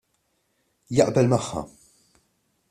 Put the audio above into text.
Jaqbel magħha.